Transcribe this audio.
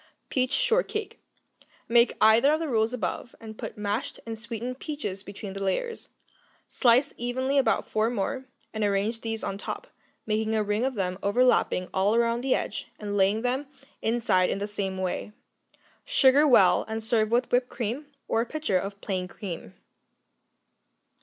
Peach Shortcake Make either of the rules above, and put mashed and sweetened peaches between the layers. Slice evenly about four more, and arrange these on top, making a ring of them overlapping all around the edge, and laying them inside in the same way. Sugar well, and serve with whipped cream or a pitcher of plain cream.